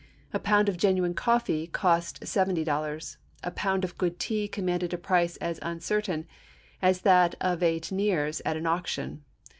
A pound of genuine coffee cost seventy dollars; a pound of good tea commanded a price as uncertain as that of a Teniers at an auction.